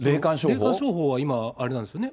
霊感商法は今、あれなんですよね？